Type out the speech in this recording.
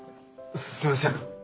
すいません。